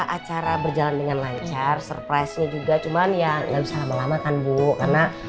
acara berjalan dengan lancar surprise nya juga cuman ya nggak bisa lama lama kan bu karena